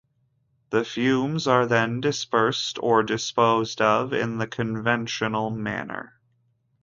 The fumes are then dispersed, or disposed of, in the conventional manner.